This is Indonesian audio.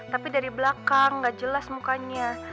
tapi dari belakang gak jelas mukanya